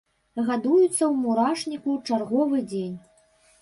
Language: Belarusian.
Гадуецца ў мурашніку чарговы дзень.